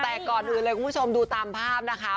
แต่ก่อนอื่นเลยคุณผู้ชมดูตามภาพนะคะ